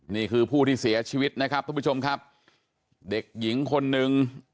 นี่คือผู้ที่เสียชีวิตนะครับทุกผู้ชมครับเด็กหญิงคนหนึ่ง